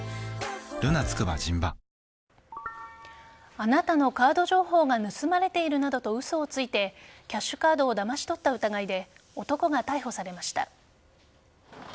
あなたのカード情報が盗まれているなどと嘘をついてキャッシュカードをだまし取った疑いで男が逮捕されました。